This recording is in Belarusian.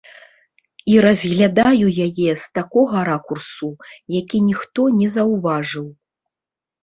І разглядаю яе з такога ракурсу, які ніхто не заўважыў.